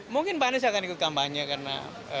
mungkin pak anies akan ikut kampanye karena